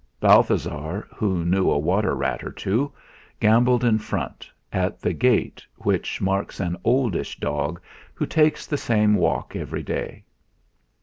Balthasar, who knew a water rat or two, gambolled in front, at the gait which marks an oldish dog who takes the same walk every day.